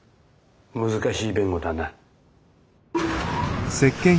難しい弁護だな。